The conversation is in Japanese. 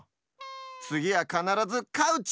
つぎはかならずカウチ！